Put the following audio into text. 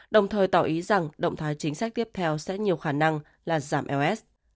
đồng thời tỏ ý rằng động thái chính sách tiếp theo sẽ nhiều khả năng là giảm es